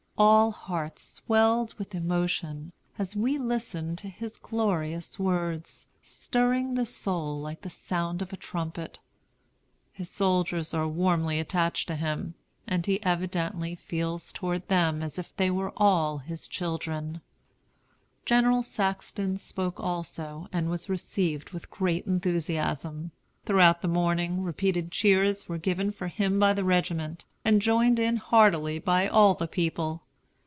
All hearts swelled with emotion as we listened to his glorious words, "stirring the soul like the sound of a trumpet." His soldiers are warmly attached to him, and he evidently feels toward them all as if they were his children. General Saxton spoke also, and was received with great enthusiasm. Throughout the morning, repeated cheers were given for him by the regiment, and joined in heartily by all the people.